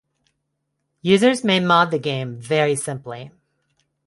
Users may mod the game very simply.